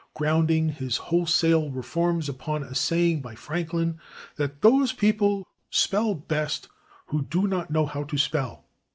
Grounding his wholesale reforms upon a saying by Franklin, that "those people spell best who do not know how to spell" /i.